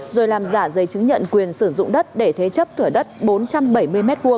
rồi làm giả giấy chứng nhận quyền sử dụng đất để thế chấp thửa đất bốn trăm bảy mươi m hai